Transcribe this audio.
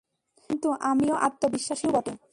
কিন্তু আমিও আত্মবিশ্বাসীও বটে।